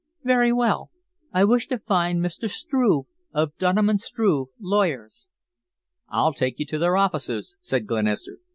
"Very well! I wish to find Mr. Struve, of Dunham & Struve, lawyers." "I'll take you to their offices," said Glenister.